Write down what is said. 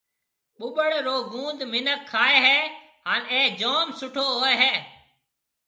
ٻُٻڙ رو گُوند مِنک کائي هيَ هانَ اَي جوم سُٺو هوئي هيَ۔